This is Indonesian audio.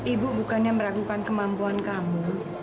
ibu bukannya meragukan kemampuan kamu